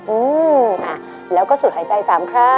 อืมอ่ะแล้วก็สุดหายใจสามครั้ง